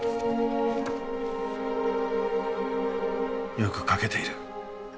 よく描けている。